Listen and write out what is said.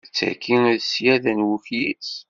D tagi i d ṣṣyada n wukyis!